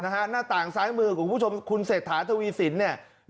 หน้าต่างซ้ายมือของคุณผู้ชมคุณเศรษฐาทวีสินเนี่ย